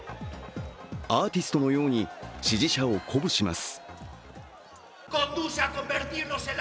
アーティストのように支持者を鼓舞します。